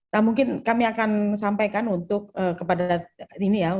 nah mungkin kami akan sampaikan untuk kepada ini ya